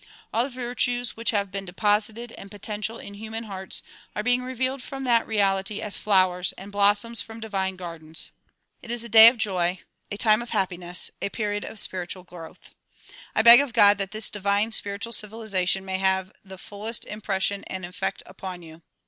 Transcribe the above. All the virtues which liave been deposited and potential in human hearts are being revealed from that Reality as flowers and blossoms from divine gardens. It is a day of joy, a time of happiness, a period of spiritual growth. I beg of God that this divine spiritual civilization may have the fullest impres sion and effect upon you.